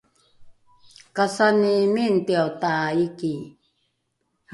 kasani mingtiao taiki